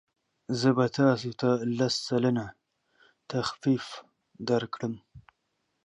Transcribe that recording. زه به تاسو ته لس سلنه تخفیف درکړم.